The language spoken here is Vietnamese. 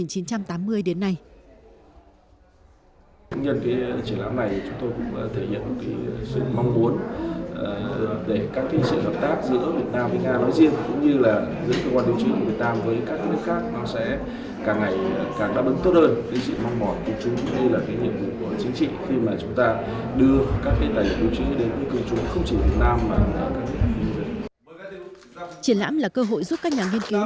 nhân cái triển lãm này chúng tôi cũng thể hiện một cái sự mong muốn để các thi sĩ hợp tác giữa việt nam với nga